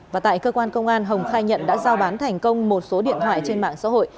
và tại cơ quan công an hồng khai nhận đã giao bán thành công một số điện thoại trên mạng xã hội